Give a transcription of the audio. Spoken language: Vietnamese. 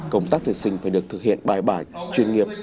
công tác tuyển sinh phải được thực hiện bài bản chuyên nghiệp